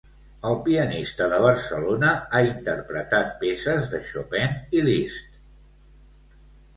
El pianista de Barcelona ha interpretat peces de Chopin i Liszt.